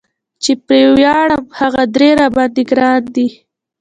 چې پرې وياړم هغه درې را باندي ګران دي